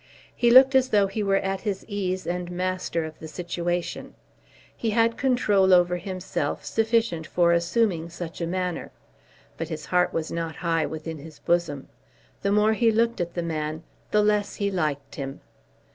He looked as though he were at his ease and master of the situation. He had control over himself sufficient for assuming such a manner. But his heart was not high within his bosom. The more he looked at the man the less he liked him.